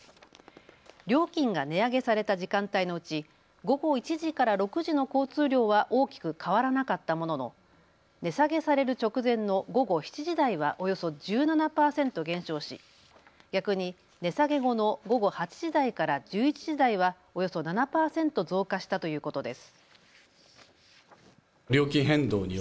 料金が値上げされた時間帯のうち午後１時から６時の交通量は大きく変わらなかったものの値下げされる直前の午後７時台はおよそ１７％減少し逆に値下げ後の午後８時台から１１時台はおよそ７％増加したということです。